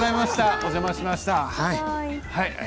お邪魔しました。